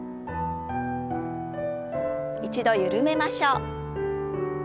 一度緩めましょう。